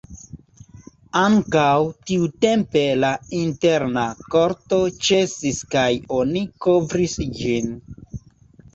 Ankaŭ tiutempe la interna korto ĉesis kaj oni kovris ĝin.